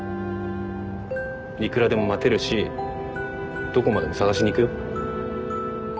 いくらでも待てるしどこまでも捜しに行くよ。